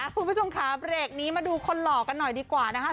คุณผู้ชมค่ะเบรกนี้มาดูคนหล่อกันหน่อยดีกว่านะคะ